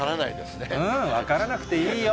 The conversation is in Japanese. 分からなくていいよ。